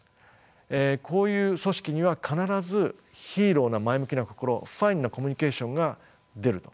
こういう組織には必ずＨＥＲＯな前向きな心ＦＩＮＥなコミュニケーションが出ると。